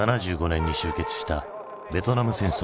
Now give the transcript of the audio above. １９７５年に終結したベトナム戦争。